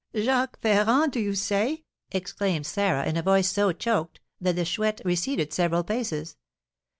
"Jacques Ferrand, do you say?" exclaimed Sarah, in a voice so choked that the Chouette receded several paces.